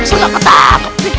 ah kenapa tak